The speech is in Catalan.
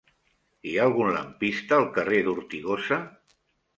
Hi ha algun lampista al carrer d'Ortigosa?